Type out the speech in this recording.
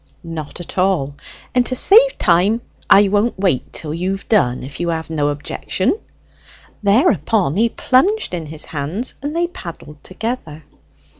"Not at all. And to save time I won't wait till you have done, if you have no objection?" Thereupon he plunged in his hands, and they paddled together.